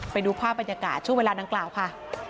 ไปดูภาพบรรยากาศช่วงเวลาดังกล่าวค่ะ